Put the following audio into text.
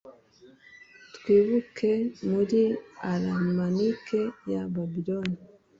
Twibuke muri almanac ya Babiloni